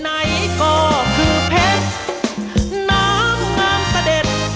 น้ำไปเห็นสำคัญานะครับ